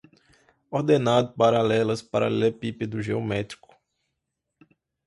ordenado, paralelas, paralelepípedo, geométrico